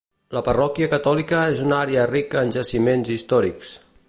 La parròquia catòlica és una àrea rica en jaciments històrics.